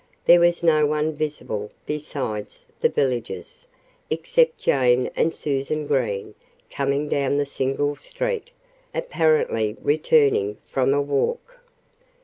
there was no one visible besides the villagers, except Jane and Susan Green coming down the single street, apparently returning from a walk.